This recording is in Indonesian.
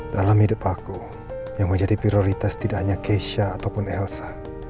dalam hidup aku yang menjadi prioritas tidak hanya keisha ataupun elsa